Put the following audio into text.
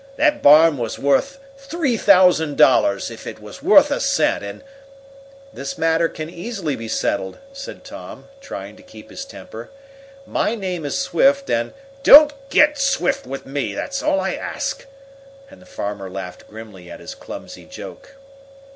That barn was worth three thousand dollars if it was worth a cent, and " "This matter can easily be settled," said Tom, trying to keep his temper. "My name is Swift, and " "Don't get swift with me, that's all I ask!" and the farmer laughed grimly at his clumsy joke.